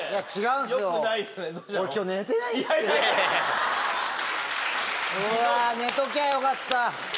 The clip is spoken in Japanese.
うわ寝ときゃよかった。